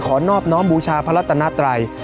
ขอนอบน้อมบูชาพระตนตัย